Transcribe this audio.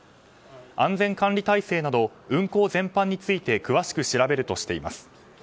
安全管理体制など運行全般について詳しく調べるとしています。